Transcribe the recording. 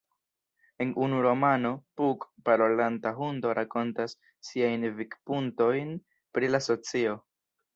En unu romano, "Puck", parolanta hundo rakontas siajn vidpunktojn pri la socio.